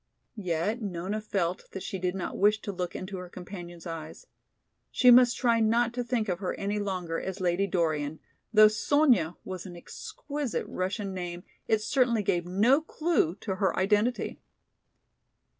Yet Nona felt that she did not wish to look into her companion's eyes. She must try not to think of her any longer as Lady Dorian, though "Sonya" was an exquisite Russian name, it certainly gave no clue to her identity.